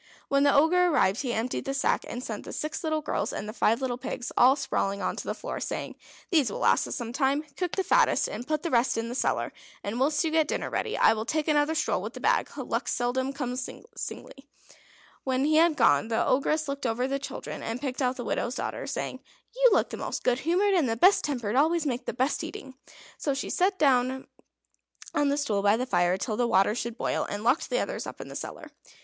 When the Ogre arrived, he emptied the sack, and sent the six little girls and the five little pigs all sprawling on to the floor, saying: "These will last us some time. Cook the fattest, and put the rest into the cellar. And whilst you get dinner ready, I will take another stroll with the bag. Luck seldom comes singly." When he had gone, the Ogress looked over the children, and picked out the widow's daughter, saying: "You look the most good humoured. And the best tempered always make the best eating." So she set her down on a stool by the fire till the water should boil, and locked the others up in the cellar.